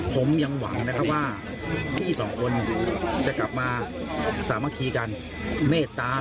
ผมยังหวังนะครับว่าพี่สองคนจะกลับมาสามัคคีกันเมตตา